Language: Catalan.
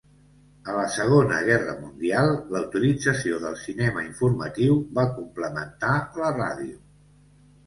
A la Segona Guerra Mundial la utilització del cinema informatiu va complementar la ràdio.